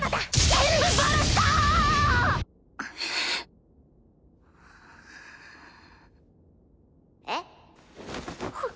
全部バラした！えっ？